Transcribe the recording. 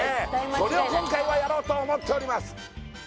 それを今回はやろうと思っております